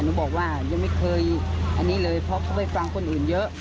หนูบอกว่ายังไม่เคยอันนี้เลยเพราะเขาไปฟังคนอื่นเยอะ